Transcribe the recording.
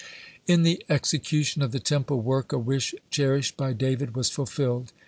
(65) In the execution of the Temple work a wish cherished by David was fulfilled.